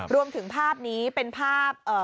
รวมถึงภาพนี้เป็นภาพ